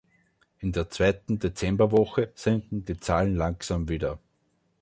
In der zweiten Dezemberwoche sinken die Zahlen langwam wieder.